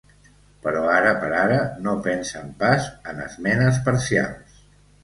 Però ara per ara no pensen pas en esmenes parcials.